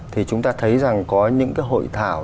thì chúng ta thấy rằng có những cái hội thảo